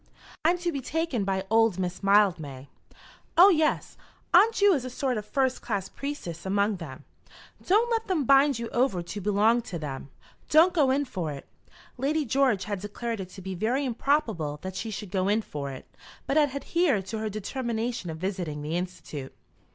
"I'm to be taken by old Miss Mildmay." "Oh, yes; Aunt Ju is a sort of first class priestess among them. Don't let them bind you over to belong to them. Don't go in for it." Lady George had declared it to be very improbable that she should go in for it, but had adhered to her determination of visiting the Institute.